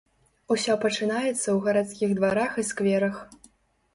Усё пачынаецца ў гарадскіх дварах і скверах.